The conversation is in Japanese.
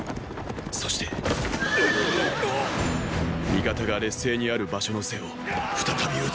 そして味方が劣勢にある場所の背を再び討つ！